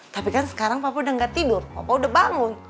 tapi kan sekarang papua udah gak tidur apa udah bangun